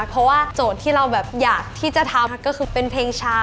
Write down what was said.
เพราะว่าโจทย์ที่เราแบบอยากที่จะทำก็คือเป็นเพลงช้า